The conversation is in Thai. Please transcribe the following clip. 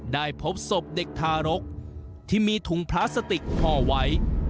พบศพเด็กทารกที่มีถุงพลาสติกห่อไว้